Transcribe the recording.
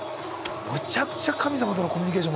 むちゃくちゃ神様とのコミュニケーション